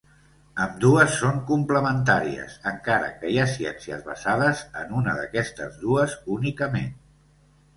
Ambdues són complementàries, encara que hi ha ciències basades en una d'aquestes dues únicament.